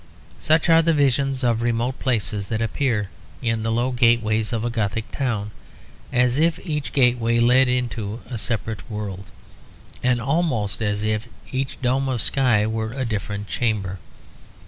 Such are the visions of remote places that appear in the low gateways of a Gothic town; as if each gateway led into a separate world; and almost as if each dome of sky were a different chamber.